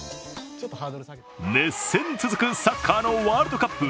熱戦続くサッカーのワールドカップ。